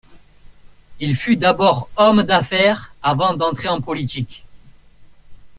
Il fut d'abord homme d'affaires avant d'entrer en politique.